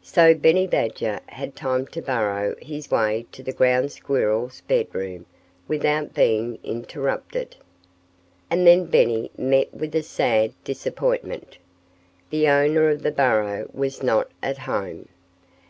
So Benny Badger had time to burrow his way to the ground squirrel's bedroom without being interrupted. And then Benny met with a sad disappointment. The owner of the burrow was not at home!